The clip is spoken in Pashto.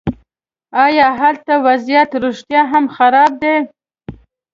ایا هلته وضعیت رښتیا هم خراب دی.